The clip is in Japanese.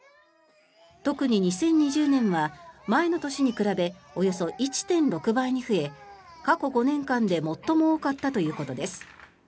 特に２０２０年は前の年に比べておよそ１．６倍に増え過去５年間で最も多かったということです。